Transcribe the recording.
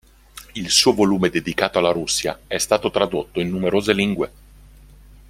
Il suo volume dedicato alla Russia è stato tradotto in numerose lingue.